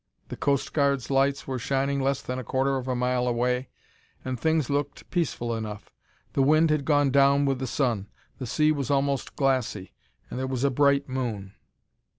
The Coast Guard's lights were shining less than a quarter of a mile away, and things looked peaceful enough. The wind had gone down with the sun; the sea was almost glassy, and there was a bright moon.